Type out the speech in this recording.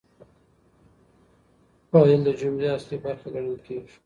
فاعل د جملې اصلي برخه ګڼل کیږي.